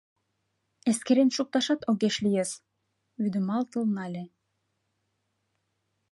Эскерен шукташат огеш лийыс, — вудыматыл нале.